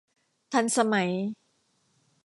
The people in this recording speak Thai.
ทันสมัย